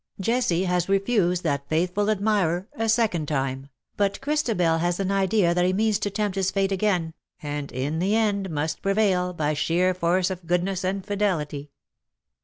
Jessie has refused that faithful admirer a second time, but Christabel has an idea that he means to tempt his fate again, and in the end must prevail, by sheer force of goodness and fidelity.